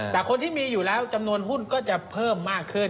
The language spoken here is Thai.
แต่คนที่มีอยู่แล้วจำนวนหุ้นก็จะเพิ่มมากขึ้น